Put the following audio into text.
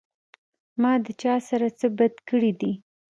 ما د چا سره څۀ بد کړي دي